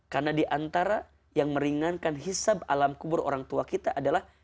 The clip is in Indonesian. karena diantara yang meringankan hisab alam kubur orang tua kita adalah